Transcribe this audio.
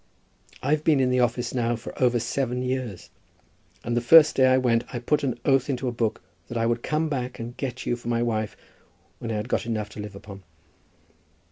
I've been in the office now for over seven years, and the first day I went I put an oath into a book that I would come back and get you for my wife when I had got enough to live upon."